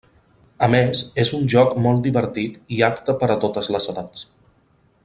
A més és un joc molt divertit i acte per a totes les edats.